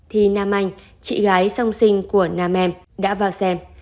thì nam anh chị gái song sinh của nam em đã vào xem